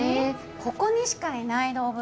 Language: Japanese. ここにしかいない動物。